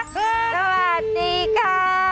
สวัสดีค่ะ